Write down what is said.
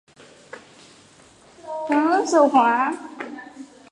大多长跑运动员由被怀疑给运动员使用兴奋剂的马俊仁执教。